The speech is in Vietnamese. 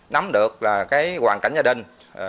nắm được hoàn cảnh gia đình